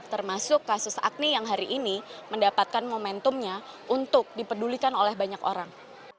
termasuk kasus agni yang hari ini mendapatkan momentumnya untuk dipedulikan oleh banyak orang